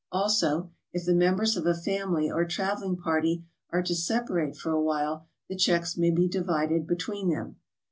Also, if the members of a family or traveling party are to separate for a while, the checks may be divided between them.